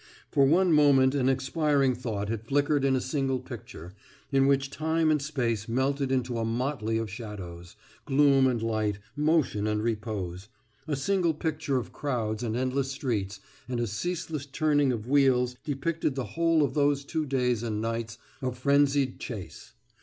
For one moment an expiring thought had flickered in a single picture, in which time and space melted into a motley of shadows, gloom and light, motion and repose, a single picture of crowds and endless streets and a ceaseless turning of wheels depicted the whole of those two days and nights of frenzied chase.